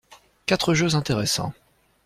Quatre jeux intéressants.